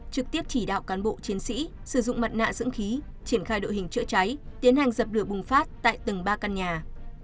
trực tiếp chỉ đạo cán bộ chiến sĩ sử dụng mặt nạ dưỡng khí triển khai đội hình chữa cháy tiến hành dập lửa bùng phát tại từng ba căn nhà